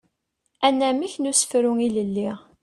Anamek n usefru ilelli.